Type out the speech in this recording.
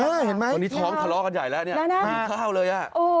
เห็นไหมตอนนี้ท้องทะเลาะกันใหญ่แล้วเนี่ยไม่มีข้าวเลยอ่ะ